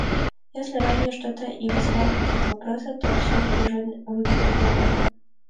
Если ранее что-то и вызывало какие-то вопросы, то все это уже урегулировано.